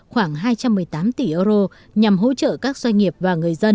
khoảng hai trăm một mươi tám tỷ euro nhằm hỗ trợ các doanh nghiệp và người dân